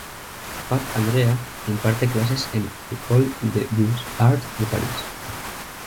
Pat Andrea imparte clases en la Ecole des Beaux-Arts de París.